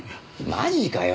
マジかよ